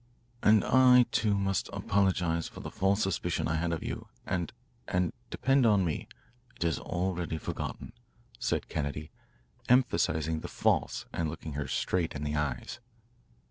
"And I, too, must apologise for the false suspicion I had of you and and depend on me, it is already forgotten," said Kennedy, emphasising the "false" and looking her straight in the eyes.